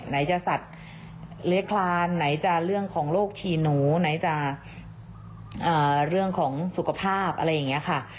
ไหนจะสัตว์เล็กคลานไหนจะเรื่องของโรคฉี่หนูไหนจะเรื่องของสุขภาพอะไรอย่างนี้ค่ะ